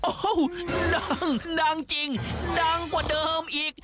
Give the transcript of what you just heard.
โอ้โหดังดังจริงดังกว่าเดิมอีก